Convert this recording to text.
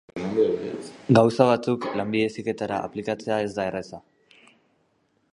Gauza batzuk Lanbide Heziketara aplikatzea ez da erraza.